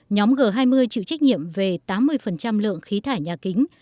nhóm g hai mươi chịu trách nhiệm về tám mươi lượng khí thải nhà kính